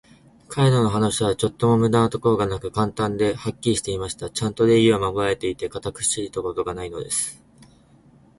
彼等の話は、ちょっとも無駄なところがなく、簡単で、はっきりしていました。ちゃんと礼儀は守られていて、堅苦しいところがないのです。